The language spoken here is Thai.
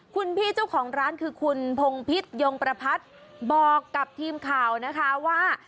คุณพี่เจ้าของร้านคือคุณพงพิษยงประพัฒน์บอกกับทีมข่าวนะคะว่า